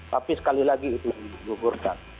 tapi sekali lagi itu digugurkan